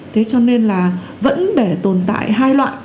thế cho nên là vẫn để tồn tại hai loại